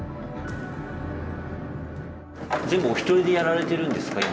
全部お一人でやられてるんですか？